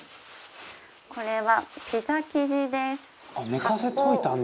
これはピザ生地です。